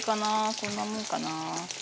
こんなもんかな。